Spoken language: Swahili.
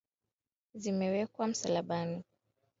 Zimewekwa Msalabani